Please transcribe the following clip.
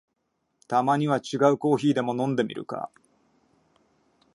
たまには違うコーヒーでも飲んでみるか